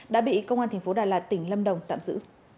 đã bị công an tp đà lạt tỉnh lâm đồng tạm giữ